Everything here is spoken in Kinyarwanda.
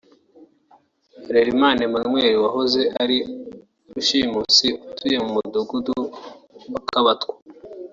Harerimana Emmanuel wahoze ari rushimusi utuye mu Mudugudu wa Kabatwa